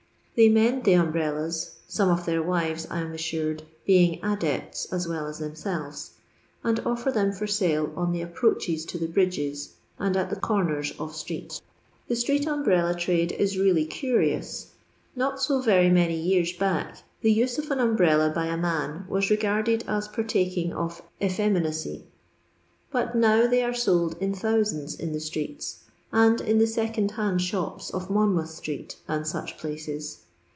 They mend the umbrellas — some of their wives, I am assured, being adepts as well as themselves — and offi;r them for sale on the approaches to the bridges, and at the comers of streets. The street umbrella trade is really curious. Not so very many years back the use of an umbrella by a man Was regarded as partaking of effeminacy, but now they are sold in thousands in the streets, and in the second hand shops of Monmouth street and such places.